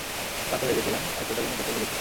ক্লান্ত হয়ে গেছিলাম, তাই সোজা ঘুমাতে চলে গেছি।